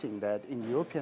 di negara negara eropa